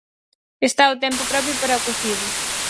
Está o tempo propio para o cocido.